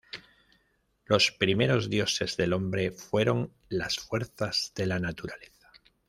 Los primeros dioses del hombre fueron las fuerzas de la naturaleza.